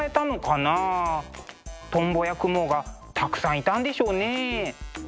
トンボやクモがたくさんいたんでしょうねえ。